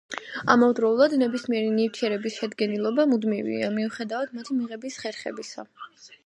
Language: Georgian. ამავდროულად, ნებისმიერი ნივთიერების შედგენილობა მუდმივია, მიუხედავად მათი მიღების ხერხებისა.